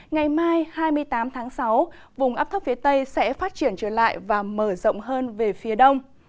ngày mai hai mươi tám tháng sáu vùng ấp thấp phía tây sẽ phát triển trở lại và mở rộng hơn về phía đông